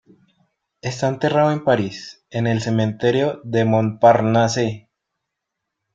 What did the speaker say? Está enterrado en París, en el cementerio de Montparnasse.